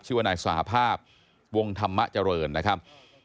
ชื่อว่านายสหภาพวงธรรมะเจริญนะครับ